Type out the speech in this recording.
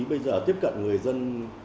bây giờ tiếp cận người dân